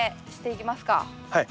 はい。